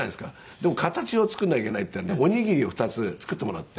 でも形を作らなきゃいけないっていうんでおにぎりを２つ作ってもらって。